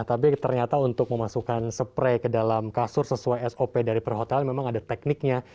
tapi ternyata untuk memasukkan spray ke dalam kasur sesuai sop dari perhotelan memang ada tekniknya